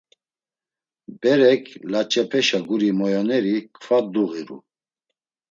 Berek, laç̌epeşa guri moyonori kva duğiru.